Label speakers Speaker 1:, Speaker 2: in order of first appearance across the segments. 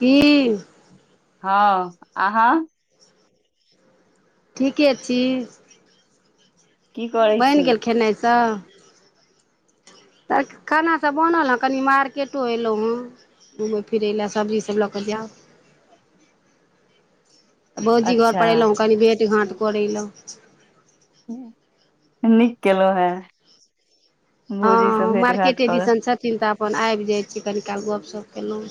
Speaker 1: की
Speaker 2: हाँ आहाँ
Speaker 1: ठीके छी
Speaker 2: की करै छी
Speaker 1: बनि गेल खेनाइ सब तऽ खाना सभ बनल हेँ कनि मार्केटो एलहुँ हेँ घूमय फिरय लेल सब्जी सभ लऽ कऽ जैब भौजी घर
Speaker 2: अच्छा
Speaker 1: पर एयलहुँ कनि भेट घाँट करलहुँ
Speaker 2: नीक केलहु हें भौजी सँ भेट घाट करऽ
Speaker 1: चिन्ता कोन आबि जाइ छी कनि काल गपशप कयलहुँ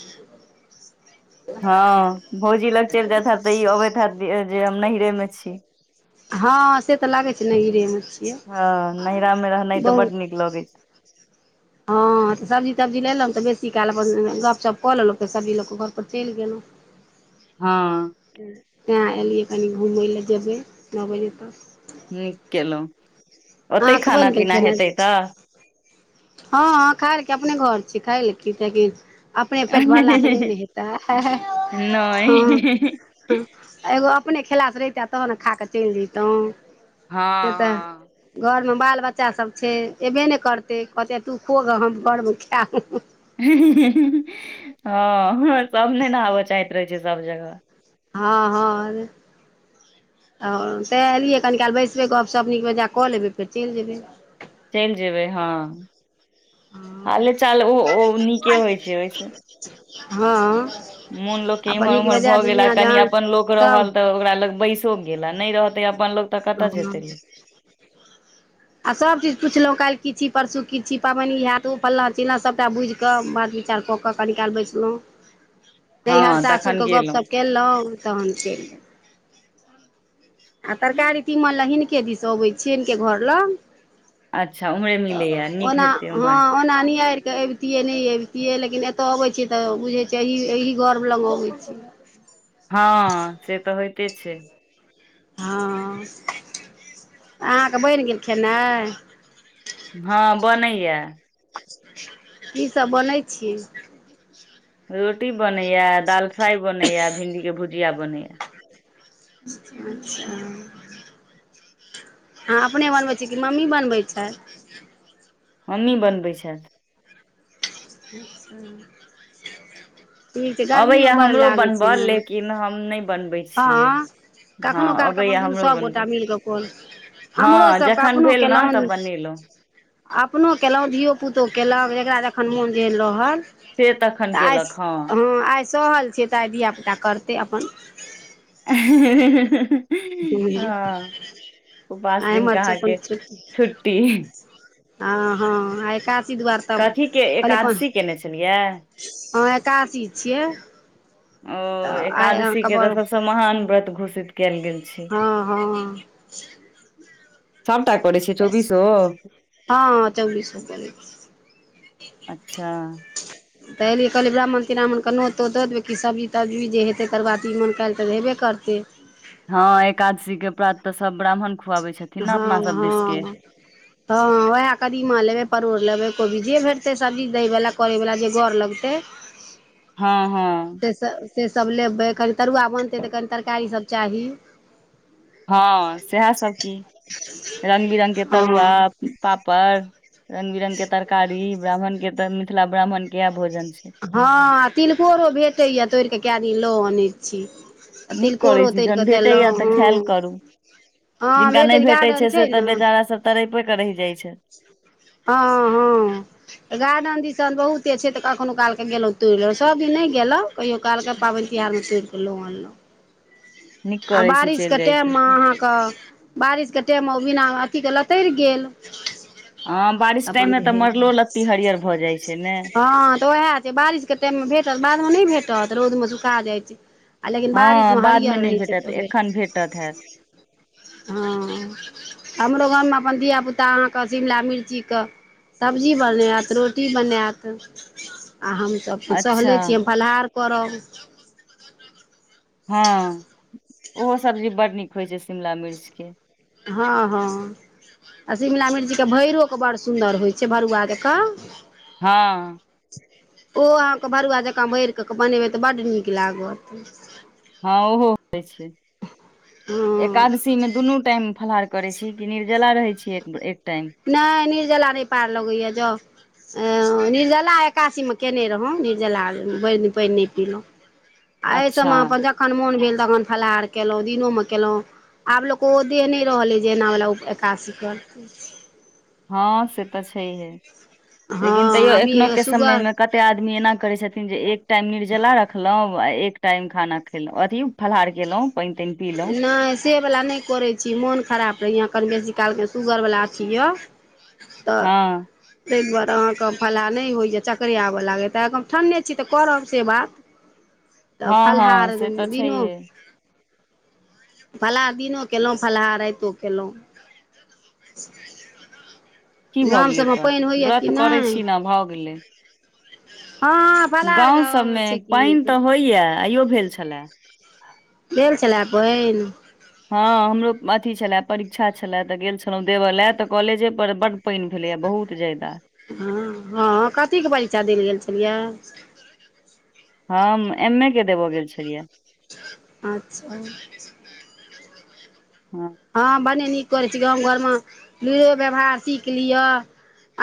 Speaker 2: हाँ भौजी लग चलि जायइत हब तऽ ई अबैत हेत जे हम नहिैरे में छी
Speaker 1: हाँ से तऽ लागै छै ने नहिरे में
Speaker 2: हँ नैहरा मे
Speaker 1: छै
Speaker 2: रहनाइ तऽ बड नीक
Speaker 1: बहुत
Speaker 2: लगै छै
Speaker 1: हाँ तऽ सब्जी तब्जी लेलहुँ तऽ बेसी काल अपन गप शप कऽ लेलहुँ सब्जी लोकऽ केऽ घरपर चलि गेलहुँ [inaudible]
Speaker 2: हाँ
Speaker 1: तै एलिये कनि घुमय लए जेबै नो बजे तक
Speaker 2: नीक केलउ ओते
Speaker 1: अहाँके
Speaker 2: खाना
Speaker 1: बनि
Speaker 2: पीना हेतै तऽ
Speaker 1: हाँ हाँ खाई लऽ की अपने घर छी खाय लऽ की हेतै अपने पेट भरला सँ नहि ने हेतै हाँ हाँ
Speaker 2: नहि
Speaker 1: एगो अपने खेला सँ रहितो तहन ने खा कऽ चलि जैतहुँ से तऽ
Speaker 2: हँ
Speaker 1: घर में बाल बच्चा सभ छै अयबे नै करतै कहते तू खो गऽ हम घर में खैब
Speaker 2: है है हाँ सब ने आबैय चाहैत रहै छै सब जगह
Speaker 1: हाँ हाँ आ तैं एलै कनि काल बैसबै गप शप नीक से लेबै फेर चलि जेबै
Speaker 2: चलि जेबै हाँ हाले चाल ओ नीके होइत छै ओहि सँ
Speaker 1: हँ
Speaker 2: मोन लोकके
Speaker 1: अपन
Speaker 2: इम्हर
Speaker 1: नीक
Speaker 2: ओम्हर
Speaker 1: बेजाय
Speaker 2: भऽ गेला
Speaker 1: दुनिआँ
Speaker 2: कनि
Speaker 1: जहान
Speaker 2: अपन लोक
Speaker 1: सब
Speaker 2: रहल तऽ ओकरा लग बैसो गेला नहि रहल तय अपन लोग त कते
Speaker 1: हँ
Speaker 2: जेते
Speaker 1: [inaudible] आ सब चीज पुछलहुँ काल्ह कि छी परसू की छी पाबनि हयैत ओ फल्ला चिल्ला सभटा बुझि बात विचार कऽ कऽ कनी काल बैसलहु नैहर
Speaker 2: हँ
Speaker 1: सासुर
Speaker 2: तखन
Speaker 1: के गप
Speaker 2: गेलहुँ
Speaker 1: सप केलहुँ तहन चैल गेल आ तरकारी तीमन ल हिनके दिस अबैत छियनक के घर लग
Speaker 2: अच्छा उम्हरे मिलैया नीक
Speaker 1: ओना
Speaker 2: हेतै
Speaker 1: हँ
Speaker 2: उम्हर
Speaker 1: ओना नियाइर के अबितियै नहि अबितियै लेकिन एतऽ अबैत छियै तऽ बुझै छियै एहि गर्व लग अबै छी
Speaker 2: हँ से तऽ होयइते छै
Speaker 1: हँ अहाँके बैन गेल खेनाइ
Speaker 2: हँ बनैया
Speaker 1: कि सस बनै छी
Speaker 2: रोटी बनैया दाल फ्राइ बनैया भिण्डी के भुजिया बनैया
Speaker 1: अच्छा हँ अपने बनबैत छी कि मम्मी बनबै छैथ
Speaker 2: मम्मी बनबैत छैथ
Speaker 1: [inaudible] ठीक छै गर्मियो
Speaker 2: अबैया
Speaker 1: बड़
Speaker 2: हमरो
Speaker 1: लागै छै
Speaker 2: बनबऽ
Speaker 1: ने
Speaker 2: लेकिन हम नहि बनबै छियै
Speaker 1: हँ
Speaker 2: हँ
Speaker 1: कखनहुँ कालके अपन
Speaker 2: अबैया
Speaker 1: दुनू
Speaker 2: हमरो
Speaker 1: सभगोटा
Speaker 2: बनबऽ
Speaker 1: मिलि कऽ क
Speaker 2: हँ
Speaker 1: हमरोसभके
Speaker 2: जखन
Speaker 1: अपनो
Speaker 2: भेल ने
Speaker 1: कयलहुँ
Speaker 2: तऽ बनेलहुँ
Speaker 1: अपनो कलहुँ धियो पुतो कयलहुँ जकरा जखन मोन भेल रहल
Speaker 2: से तखन
Speaker 1: तऽ आइ
Speaker 2: केलक
Speaker 1: हँ आइ सहल छै तऽ आइ धियापुता करतै अपन
Speaker 2: आ हे हे हे
Speaker 1: हूँ
Speaker 2: हँ उपास
Speaker 1: आइ
Speaker 2: दिन क
Speaker 1: हमर छै अपन
Speaker 2: आहाँके छुट्टी
Speaker 1: आ हँ आ एकाशी द्वाअदस तब
Speaker 2: कथी के
Speaker 1: कहलियै प
Speaker 2: एकादशी केने छलियै
Speaker 1: हँ एकादसी छियै
Speaker 2: ओ
Speaker 1: तऽ आइ
Speaker 2: एकादशी
Speaker 1: अहाँके
Speaker 2: के तऽ
Speaker 1: अपन
Speaker 2: सबस महान व्रत घोषित कयल गेल छै
Speaker 1: हँ हँ
Speaker 2: सभटा करै छै चौबीसो
Speaker 1: हँ चौबिस रुपया ल छिये
Speaker 2: अच्छा
Speaker 1: तऽ एलियै कहलिय ब्राह्मणि्राम्मणकेणोतो द देबै सब्जी तब्ज़ी जे हेै तकर बाद ई मन काल तऽ हेबे करते
Speaker 2: हँ एकादशी के प्रात तऽ सब ब्राह्मण खुआबै छथिन ने अपना
Speaker 1: हँ
Speaker 2: सब देिश के
Speaker 1: [inaudible] हँ ओएह कदीमा लेबै परोड़ लेबै कोबी जे भेटतै सब्जी दैयवला करैवला जे गर लगतै
Speaker 2: हँ हँ
Speaker 1: से सब से सभ लेबै कनि तरुआ बनतै तऽ कनि तरकारी सभ चाही
Speaker 2: हँ सएहसभ की रंग बिरंग के तरुआ
Speaker 1: हँ
Speaker 2: पापड़ रंग बिरंग के तरकारी ब्राह्मण के तऽ मिथिला ब्राह्मण के इएह भोजन छै
Speaker 1: हँ आ तिलकोरो भेटैया तोड़ि कऽ कए दिन लऽ अनै छी आ
Speaker 2: नीक करैत
Speaker 1: तिलकोरो
Speaker 2: छी
Speaker 1: तोड़ि
Speaker 2: जखन
Speaker 1: कऽ
Speaker 2: भेटैया
Speaker 1: देलहुँ
Speaker 2: तऽ ख्याल
Speaker 1: हँ
Speaker 2: करू
Speaker 1: हँ
Speaker 2: जिनका
Speaker 1: भेटै
Speaker 2: नहि भेटैत
Speaker 1: गार्डन
Speaker 2: छै से तऽ बेचाराभ तरपेके रहि जाइत छै
Speaker 1: ह हँ गार्डन दिशन बहुते छै तऽ कखनो काल के गेलहुं तोड़ि लेल सब दिन नहि गेलहु कहियो कालके पाबैन तिहारमे तोड़ कऽ लहुँ अनलहुँ
Speaker 2: नीक
Speaker 1: आ
Speaker 2: करै छी
Speaker 1: बारिस
Speaker 2: चलि
Speaker 1: के
Speaker 2: जाइ
Speaker 1: टाइम
Speaker 2: छी
Speaker 1: मे अहाँ कऽ बारिशके टाइममे ओ बिना अथीके लतैर गेल
Speaker 2: हँ
Speaker 1: त
Speaker 2: बारिश टाइम
Speaker 1: अपन
Speaker 2: मे तऽ
Speaker 1: भेल
Speaker 2: मरलो लत्ती हरियर भऽ जाइ छै ने
Speaker 1: हँ तऽ उएह छै बारिश केते मे भेटत बाद मे नहि भेटत रौद मे सुखा जाइत छै आ लेकिन बारिश
Speaker 2: हँ
Speaker 1: मे
Speaker 2: बाद
Speaker 1: हरियर
Speaker 2: नहि
Speaker 1: रहै छै
Speaker 2: भेटत
Speaker 1: त
Speaker 2: एखन
Speaker 1: भेट
Speaker 2: भेटत हैत
Speaker 1: हँ हमरो गाममे अपन धिय पुता ता अहाँके शिमला मिर्चीके सब्जी बनायत रोटी बनायत आ हम त अपन
Speaker 2: अच्छा
Speaker 1: सहले छी हम फलाहार करब
Speaker 2: हँ ओहो सब्जी बड्ड नीक होइ छै शिमला मिर्चके
Speaker 1: हँ हँ आ शिमला मिर्चीके भरिरोके बड़ सुन्दर होइ छै भरुआ जेकऽ
Speaker 2: हँ
Speaker 1: ओ अहाँके भरुआ जकाँ भरि कऽ बनेबै तऽ बड्ड नीक लागत
Speaker 2: हँ ओहो होइ छै
Speaker 1: हँ
Speaker 2: एकादशी मे दुनू टाईम फलहार करे छी की निर्जला रहे छी एक टाईम
Speaker 1: नहि निर्जला नहि पार लगैया जाउ निर्जला एकासीमे कयने रहौँ निर्जला भरि दिन पैन नहि पीलहुँ एहि
Speaker 2: अच्छा
Speaker 1: सभमे अपन जखन मोन भेल तखन फलाहार कयलहुँ दिनोमे कयलहुँ आब लोक कऽ ओ देह नइ रहलैइ जे एनावला ओ एकादसी करत
Speaker 2: हँ से तऽ छैहे लेकिन तैयो
Speaker 1: हँ अभी
Speaker 2: एखन के
Speaker 1: सुगर
Speaker 2: समयमे कत कते आदमी एना करै छथिन जे एक टाईम निर्जला रखलहुँ आ एक टाईम खाना खेलहुँ अथी फलाहार केलहुँ पानि तानि पीलहुँ
Speaker 1: नहि से बला नइ करै छी मोन खराब रहैए कनी बेसी कालके सुगरवला अथि यऽ तऽ
Speaker 2: हँ
Speaker 1: ताहि दुआरे अहाँके फलाहार नहि होइए चकरे आबय लागय तऽ हम ठण्ने छी तऽ करब से बात तब
Speaker 2: हँ
Speaker 1: फलहार
Speaker 2: हँ से तऽ
Speaker 1: दिनो
Speaker 2: छैहे
Speaker 1: फलाहार दिनो केलहुँ फलाहार राइतो केलहुँ गाम सभमे पानि होइए की नैय
Speaker 2: हँ भऽ गेलै
Speaker 1: हँ
Speaker 2: गाँव
Speaker 1: फलाहारके
Speaker 2: सभमे
Speaker 1: छै कि
Speaker 2: पाइन तऽ होइ यऽ आइयो भेल छलए
Speaker 1: भेल छले पाइन
Speaker 2: हँ हमरो अथी छलेय परीक्षा छलेए तऽ गेल छलहुँ देबय लए तऽ कॉलेजे पर बड्ड पाइन भेलै ए बहुत जायदा
Speaker 1: हँ हँ कथीके परीक्षा देल गेल छलियै
Speaker 2: हम एम ए के देबऽ गेल छलियै
Speaker 1: अच्छा
Speaker 2: हँ
Speaker 1: हँ बने नीक करै छी गांव घरमे लूइरो व्यवहार सीख लिअ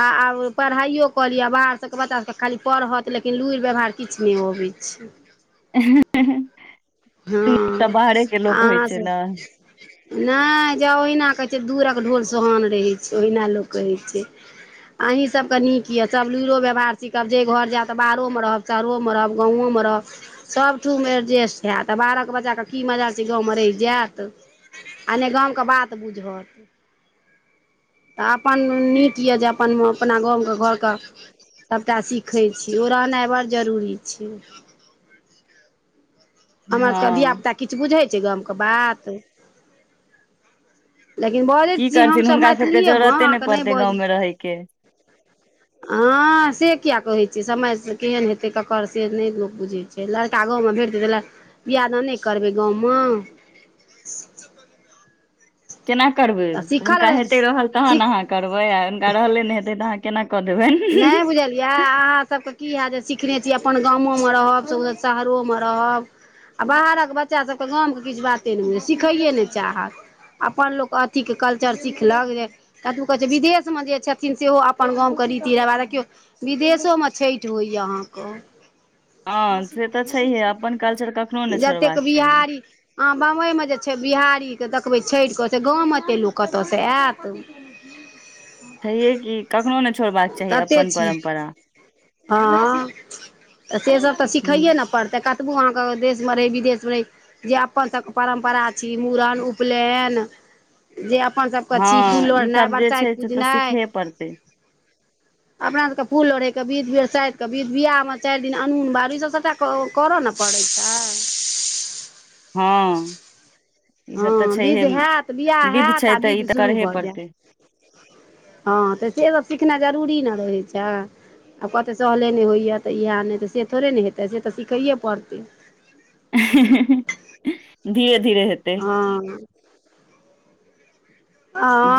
Speaker 1: आ आब पढ़ाईयो क लिअ बाहर सबके बच्चा सबके खाली पढ़त लेकिन लुरि व्यवहार किछ नइ अबै छै
Speaker 2: [unintelligible]
Speaker 1: हँ
Speaker 2: बाहरेके लोक होइ
Speaker 1: अहाँ
Speaker 2: छै
Speaker 1: सब
Speaker 2: न
Speaker 1: [inaudible] नहि जाउ ओहिना कहै छै दूरक ढोल सोहान रहै छै ओहिना लोक कहै छै आहि सब के नीक ये सब लुरो व्यवहार सीखब जे घर जायब तऽ बाहरो मे रहब शहरो म रहब गाँवो म रहब सबठुम एरजेष्ट हैत बाहरक बच्चाके की मजाल छै गाँवमे रहि जायत आ नहि गामके बात बुझत तऽ अपन नीक ये जे अपन अपना गामके घरके सभटा सीखै छी ओ रहनाइ बड्ड जरूरी छै हमरा सबके धिया
Speaker 2: हँ
Speaker 1: पुता किछ बुझै छै गाम के बात लेकिन बजै
Speaker 2: की
Speaker 1: छी
Speaker 2: करथिन
Speaker 1: हमसभ
Speaker 2: हुनका सबके
Speaker 1: मैथिलीये मऽ
Speaker 2: जरूरते
Speaker 1: अहाँके नहि
Speaker 2: पड़तै
Speaker 1: बज
Speaker 2: गाँवमे रहयके
Speaker 1: [inaudible] हँ से कए कहैत छी समयसँ केहन हेतै ककर से नहि लोक बुझै छै फेर लड़का गाँवमे भेटतै तऽ बियाह दान नइ करबै गाँवम
Speaker 2: केना करबै
Speaker 1: तऽ सीखल
Speaker 2: हुनका
Speaker 1: रहै
Speaker 2: हेते रहल
Speaker 1: सीख
Speaker 2: तहन अहाँ करबै आ हुनका रहले ने हेतै तऽ अहाँ केना कऽ देबैन
Speaker 1: इएह अहाँसभके की हैत जे सिखने छी अपन गाम म रहब शहरो म रहब आ बाहरक बच्चा सभके गाम के किछु बाते नहि बुझै छै सिखैए नइ चाहत अपन लोक अथीके कल्चर सिखलक जे [unintelligible] कहै छै विदेश मे जे छथिन सेहो अपन गामके रीती रीबाज देखियौ विदेशो मे छैठ होइ यऽ अहाँ कऽ
Speaker 2: हँ से तऽ छैहे अपन कल्चर कखनो नहि
Speaker 1: जतेक
Speaker 2: छोड़बाक चाही
Speaker 1: बिहारी हँ बम्बइमे जे छै बिहारीके देखबै छठि कऽ से गाव मऽ एतेक लोक कतयसँ आयत
Speaker 2: छैे कि कखनो नहि छोड़बाक चाही
Speaker 1: ततेक
Speaker 2: अपन
Speaker 1: छै
Speaker 2: परम्परा
Speaker 1: हँ तऽ से सभ तऽ
Speaker 2: हूँ,
Speaker 1: सिखैए नऽ पड़तै क तऽ भगवानके देशमे रहै विदेशमे रहै [unintelligible] जे अपन सभके परम्परा छै मूड़न उपनयन जे अपन सभके छी फूल लोढ़नाइ बरसाइत पूजनाइ
Speaker 2: परते
Speaker 1: अपना सबके फूल लढ़ेके बिध बेर साइ के बिध बियाह में चारि दिन अनून बाइर इ सभ सभटा करऽ ने पड़ै छै
Speaker 2: हँ ई
Speaker 1: हँ
Speaker 2: सब तऽ
Speaker 1: विध
Speaker 2: छैहे
Speaker 1: हैत विवाह
Speaker 2: विध
Speaker 1: हैत
Speaker 2: छै
Speaker 1: आ
Speaker 2: तऽ ई
Speaker 1: विधि
Speaker 2: तऽ
Speaker 1: शुरू
Speaker 2: करहे
Speaker 1: भऽ जायत
Speaker 2: पड़तै
Speaker 1: हँ तऽ सेहो सिखनाइ जरूरी ने रहै छै आ सहले नहि होइए तऽ इएह नहि तऽ से थोड़े ने हेतै से तऽ सिखैयए पड़तै
Speaker 2: धीरे धीरे हेत
Speaker 1: हँ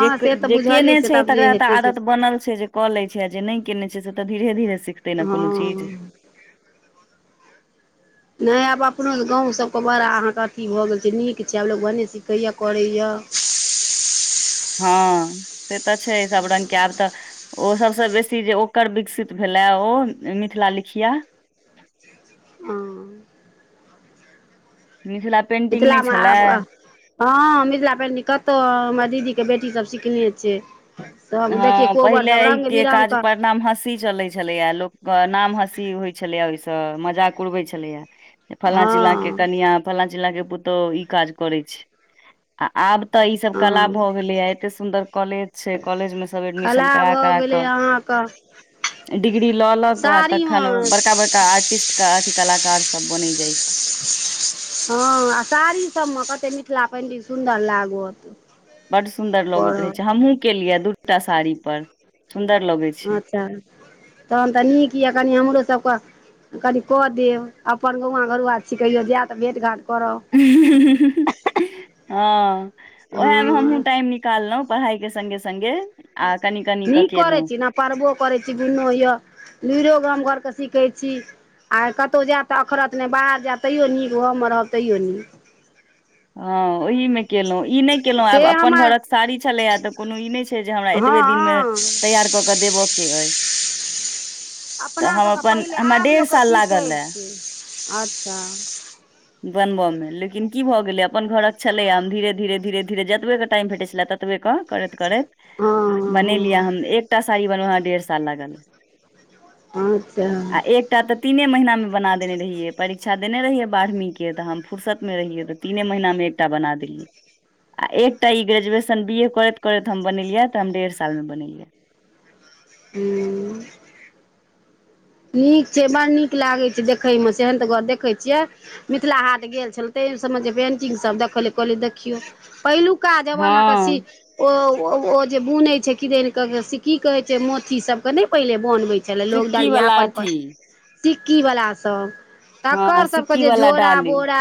Speaker 2: जे
Speaker 1: से तऽ
Speaker 2: जे केयने
Speaker 1: बुझलियै से
Speaker 2: छै
Speaker 1: तऽ आब जे
Speaker 2: तकरा तऽ
Speaker 1: हेतै से
Speaker 2: आदत बनल छै जे कऽ लै छै आ जे नहि केयने छै से तऽ धीरे धीरे सिखते ने कोनो चीज
Speaker 1: हँ नहि आब अपनो गाँव सभके बड़ा अहाँके अथी भऽ गेल छै नीक छै आब लोको भने सिखैया करैए
Speaker 2: हँ से तऽ छै सब रंग के आब तऽ ओ सभसँ बेसी जे ओकर विकसित भेलए ओ मिथिला लिखिया
Speaker 1: हँ
Speaker 2: मिथिला पेन्टिंग नहि
Speaker 1: मिथिलामे
Speaker 2: छलै
Speaker 1: आब हँ मिथिला पेंटिंग कतहु हमर दीदीके बेटी सब सिखने छै सभ देखियै
Speaker 2: ह
Speaker 1: कोबर
Speaker 2: पहिले
Speaker 1: सभ
Speaker 2: एहि
Speaker 1: रङ्ग
Speaker 2: के काज
Speaker 1: बिरङ्गके
Speaker 2: परणाम हँसी चले छै छलैया लोकके नाम हँसी होइ छलैया ओहिसँ मजाक उड़बै छलैया फल्ला चिलला के
Speaker 1: हँ
Speaker 2: कनिया फल्ला चिल्ला के पुतोहु ई काज करै छै आ आब तऽ ई सब कला
Speaker 1: हँ
Speaker 2: भऽ गेले य एते सुंदर कॉलेज छै कॉलेज मे सब
Speaker 1: कला
Speaker 2: एडमिशन करा
Speaker 1: भऽ
Speaker 2: करा
Speaker 1: गेलै
Speaker 2: कऽ
Speaker 1: अहाँके
Speaker 2: डिग्री लऽ लक आ
Speaker 1: साड़ीमे
Speaker 2: तखन ओ बड़का बड़का आर्टिस्ट के अथि कलाकार सब बने जाइ छै
Speaker 1: हँ आ साड़ीसभमे कतेक मिथिला पेन्टिंग सुन्दर लागत
Speaker 2: बड सुंदर लगैत रहे छै
Speaker 1: करब
Speaker 2: हमहुूँ केलियै दूटा साड़ी पर सुन्दर लगै छै
Speaker 1: अच्छा तहन तऽ नीक यए कनि हमरोसभके कनि कऽ देब अपन गौआँ घरुआ छि कहियो जाय तऽ भेट घाट करब
Speaker 2: हँ ओएहमे
Speaker 1: हँ
Speaker 2: हमहुूँ टाइम निक निकाल लहुँ पढ़ाई के संगे संगे आ कनि कनि कऽ
Speaker 1: निक करै
Speaker 2: केलहुँ
Speaker 1: छि न पढबो करैत छी दुुनो यए लुइरो मैं गाम घरके सीखै छी आ कतहु जायतऽ अखरत नहि बाहर जायत तैयो नीक घमे रहब तैयो नीक
Speaker 2: हँ ओहिमे केलहुँ ई नहि केलहुँ
Speaker 1: से
Speaker 2: आब अपन
Speaker 1: हमर
Speaker 2: घरक साड़ी छलैएा तऽ कोनो ई नहि छै जे हमरा एतबे दिनमे
Speaker 1: हँ
Speaker 2: तैयार कऽ केऽ देबय के अइ तऽ हम
Speaker 1: अपनासभके
Speaker 2: अपन
Speaker 1: पहिले
Speaker 2: हमरा
Speaker 1: आब
Speaker 2: डेढ़
Speaker 1: लोककेँ
Speaker 2: साल
Speaker 1: सीखै
Speaker 2: लागल ए
Speaker 1: छै अच्छा
Speaker 2: बनबय मे लेकिन की भऽ गेलै अपन घरक छलेय धीरे धीरे धीरे धीरे जतबे के टाइम भेटे छले ततबे के करैत करैत
Speaker 1: हँ
Speaker 2: बनेलियै
Speaker 1: हँ
Speaker 2: हम एकटा साड़ी बनहं डेढ़ साल लागल
Speaker 1: अच्छा
Speaker 2: आ एकटा तऽ तीने महिना मे बना देने रहियै परीक्षा देने रहिय बारहीं तऽ हम फुरसतमे रहियै तऽ तीने महीनामे एकटा बना देलियै आ एकटा ई ग्रेजुएशन बी ए करैत करैत हम बनेलियै तऽ हम डेढ़ सालमे बनेलियै
Speaker 1: हूँ नीक छै बड़ नीक लागे छै देखे में सेहन तऽ घर देखे छियै मिथिला हाट गेल छल तही सभमे जे पेन्टिंगसभ देखल लेल कहल देखियौ पहिलुका जमानाके सी
Speaker 2: हँ
Speaker 1: ओ ओ जे बुने छै किदन के से की कहे छै मोति सब के ने पहिले बनबे छै छलय लोक
Speaker 2: सिक्की
Speaker 1: डलिया
Speaker 2: वाला
Speaker 1: अपन
Speaker 2: अथी
Speaker 1: सिक्की वला सभ
Speaker 2: हँ
Speaker 1: तकर सबके
Speaker 2: सिक्की
Speaker 1: जे
Speaker 2: वाला
Speaker 1: झोरा
Speaker 2: डाली
Speaker 1: बोरा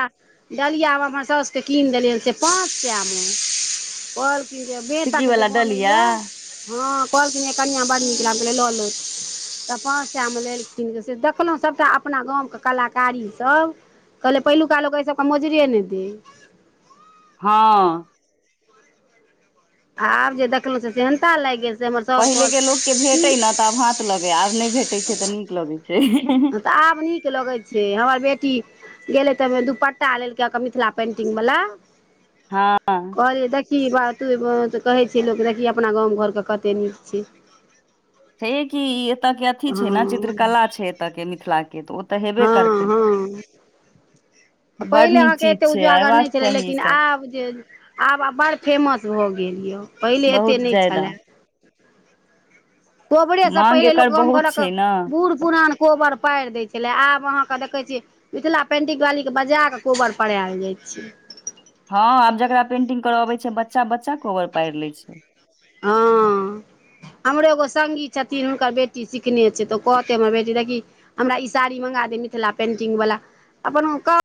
Speaker 1: डलिआमे हमर सउसके कीन देलिय से पाँच सएमे आओर क जे
Speaker 2: सिक्की
Speaker 1: बेसक जे
Speaker 2: वाला डलिया
Speaker 1: बनैया हँ कहलखिन कनिआँ बड़ नीक लागलै लऽ ले तऽ पाँच सएहमे लेलखिन से देखलहुँ सभटा अपना गामके कलाकारीसभ कहलै पहिलुका लोक एहि सबके मौजरेए नहि देै
Speaker 2: हँ
Speaker 1: आब जे देखलहुं से सेेहनता लाग गेल से हमर साउस कहल
Speaker 2: पहिलेके लोकके भेटै ने तऽ आब हाथ लगै आब नहि भेटैत छै तऽ नीक लगैत
Speaker 1: की
Speaker 2: छै
Speaker 1: तऽ आब नीक लगै छै हमर बेटी गेलै तऽ ओहि दुपट्टा लेलकै मिथिला पेंटिंग वला
Speaker 2: हँ
Speaker 1: अरे देखही बात तू तऽ कहै छ लोक देखही अपना गाम घरके कते नीक छै
Speaker 2: छै कि एतयके अथी छै ने
Speaker 1: हँ
Speaker 2: चित्रकला छै एतयके मिथिलाके तऽ तऽ हेबे
Speaker 1: हँ
Speaker 2: करतै
Speaker 1: हँ
Speaker 2: बड
Speaker 1: पहिले
Speaker 2: नीक
Speaker 1: अहाँके
Speaker 2: चीज
Speaker 1: एतेक
Speaker 2: छै
Speaker 1: उजागर नहि
Speaker 2: अयबाक
Speaker 1: छलै
Speaker 2: चाही ई
Speaker 1: लेकिन
Speaker 2: सब
Speaker 1: आब जे आब आब बड़ फेमस भऽ गेल यऽ पहिले एते
Speaker 2: बहुत
Speaker 1: नहि
Speaker 2: ज्यादा
Speaker 1: छलए गोबरे से
Speaker 2: मांग
Speaker 1: पहिले लोक
Speaker 2: एकर
Speaker 1: गाम
Speaker 2: बहुत
Speaker 1: घरक
Speaker 2: छै ने
Speaker 1: बूढ़ बुढ़ान कोबर पार दै छलै आब अहाँके देखै छियै मिथिला पेंटिंग वालीके बजा कऽ कोबर परायल जाइत छै
Speaker 2: हँ आब जकरा पेंटिंग कर अबै छै बच्चा बच्चा कोबर पार ले छै
Speaker 1: हँ हमरो एगो सङ्गी छथिन हुनकर बेटी सिखने छै तऽ कहते हमर बेटी देखी हमरा ई साड़ी मंगा दे मिथिला पेंटिंग वला अपन कह